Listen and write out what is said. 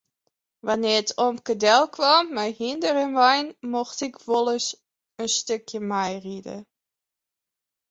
Wannear't omke delkaam mei hynder en wein mocht ik wolris in stikje meiride.